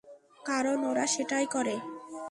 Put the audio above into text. কারণ ওরা সেটাই করে।